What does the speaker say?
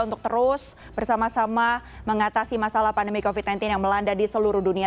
untuk terus bersama sama mengatasi masalah pandemi covid sembilan belas yang melanda di seluruh dunia